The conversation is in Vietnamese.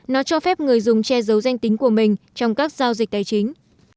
nó cho phép người dùng che giấu danh tính của mình trong các giao dịch tài chính